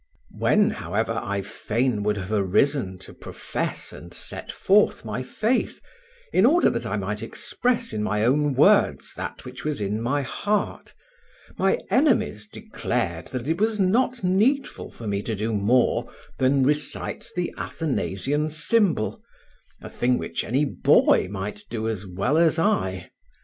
When, however, I fain would have arisen to profess and set forth my faith, in order that I might express in my own words that which was in my heart, my enemies declared that it was not needful for me to do more than recite the Athanasian Symbol, a thing which any boy might do as well as I.